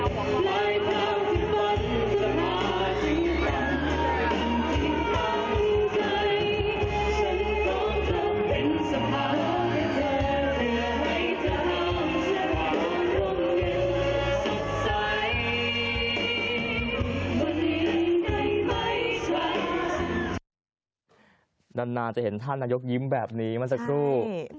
หนังนานจะเห็นท่านนายยกยิ้มแบบนี้แม่งสักทุ่บ